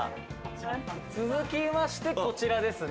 続きましてこちらですね。